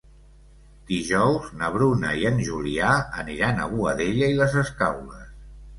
Dijous na Bruna i en Julià aniran a Boadella i les Escaules.